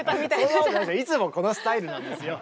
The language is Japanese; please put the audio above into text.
いつもこのスタイルなんですよ。